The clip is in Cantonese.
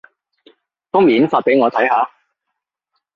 封面發畀我睇下